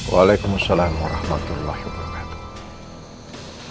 waalaikumsalam warahmatullahi wabarakatuh